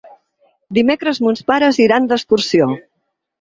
Dimecres mons pares iran d'excursió.